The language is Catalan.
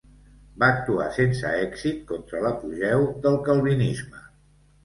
Va actuar sense èxit contra l'apogeu del calvinisme.